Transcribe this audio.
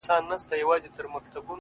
ښاماري زلفو يې په زړونو باندې زهر سيندل”